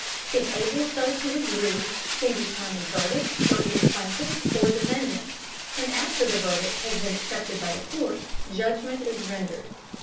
If able so to agree, they return a verdict for either plaintiff or defendant, and after the verdict has been accepted by the court, judgment is rendered.